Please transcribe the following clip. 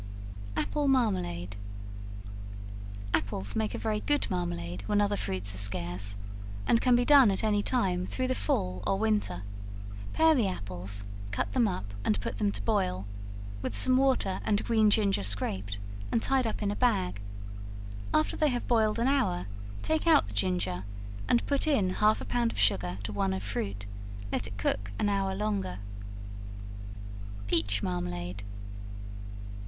Apple Marmalade. Apples make a very good marmalade when other fruits are scarce, and can be done at any time through the fall, or winter, pare the apples, cut them up, and put them to boil, with some water and green ginger scraped, and tied up in a bag, after they have boiled an hour, take out the ginger, and put in half a pound of sugar to one of fruit, let it cook an hour longer. Peach Marmalade.